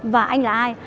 và anh là ai